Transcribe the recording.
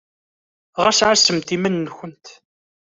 Ɣas ɛassemt iman-nkent.